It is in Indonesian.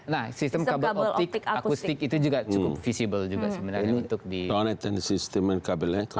nah sistem kabel optik akustik itu juga cukup visible juga sebenarnya untuk